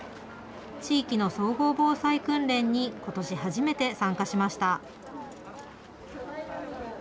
地域の総合防災訓練にことし初めて参加しました。